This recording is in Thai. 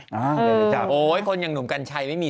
ก็ไม่ได้จับโหยยโอ๋คนโหน่มกันชัยไม่มี